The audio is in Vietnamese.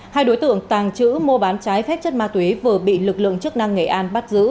hai đối tượng tàng trữ mua bán trái phép chất ma túy vừa bị lực lượng chức năng nghệ an bắt giữ